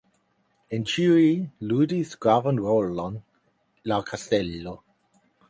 En ĉiuj ludis gravan rolon la kastelo.